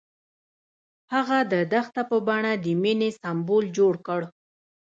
هغه د دښته په بڼه د مینې سمبول جوړ کړ.